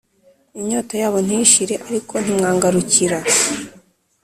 inyota yabo ntishire, ariko ntimwangarukira!